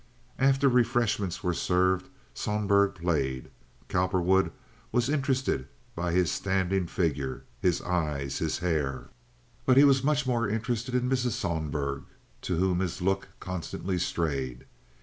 After refreshments were served Sohlberg played. Cowperwood was interested by his standing figure—his eyes, his hair—but he was much more interested in Mrs. Sohlberg, to whom his look constantly strayed.